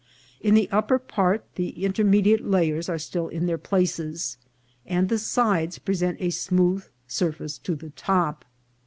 In the upper part the intermediate layers are still in their places, and the sides present a smooth surface to the top.